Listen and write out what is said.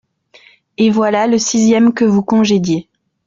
Et voilà le sixième que vous congédiez…